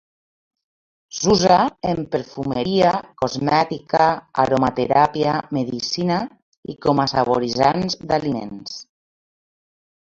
S'usa en perfumeria, cosmètica, aromateràpia, medicina i com a saboritzants d'aliments.